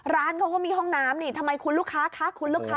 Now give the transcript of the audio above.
ร้านเขาก็มีห้องน้ำนี่ทำไมคุณลูกค้าคะคุณลูกค้า